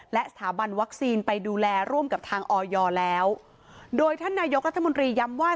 และสถาบันวัคซีนไปดูแลร่วมกับทางออยแล้วโดยท่านนายกรัฐมนตรีย้ำว่า